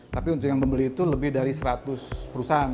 tapi untuk yang membeli itu lebih dari seratus perusahaan